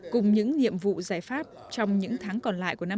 cùng những nhiệm vụ giải pháp trong những tháng còn lại của năm hai nghìn